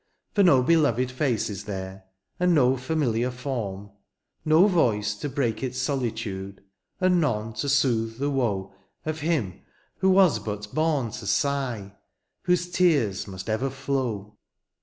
For no beloved face is there. And no familiar form. No voice to break its solitude. And none to soothe the woe Of him who was but bom to sigh. Whose tears must ever flow.